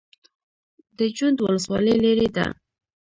د جوند ولسوالۍ لیرې ده